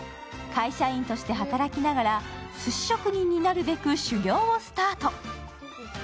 会社員として働きながら、すし職人になるべく修業をスタート。